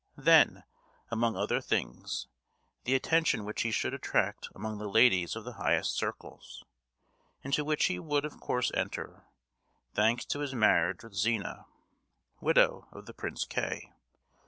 Then, among other things, the attention which he should attract among the ladies of the highest circles, into which he would of course enter, thanks to his marriage with Zina—widow of the Prince K.